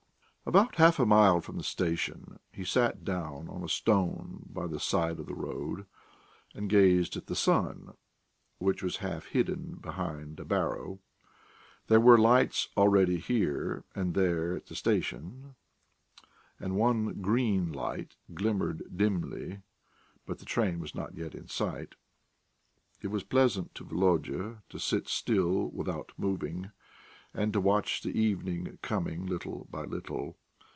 About half a mile from the station, he sat down on a stone by the side of the road, and gazed at the sun, which was half hidden behind a barrow. There were lights already here and there at the station, and one green light glimmered dimly, but the train was not yet in sight. It was pleasant to Volodya to sit still without moving, and to watch the evening coming little by little.